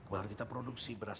baru kita produksi beras